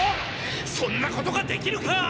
そんなことができるか！